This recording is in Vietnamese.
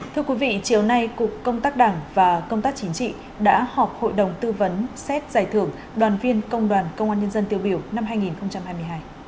thưa quý vị chiều nay cục công tác đảng và công tác chính trị đã họp hội đồng tư vấn xét giải thưởng đoàn viên công đoàn công an nhân dân tiêu biểu năm hai nghìn hai mươi hai